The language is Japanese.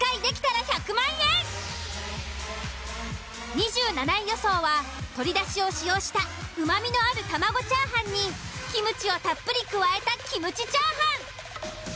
２７位予想は鶏だしを使用したうまみのある卵チャーハンにキムチをたっぷり加えたキムチチャーハン。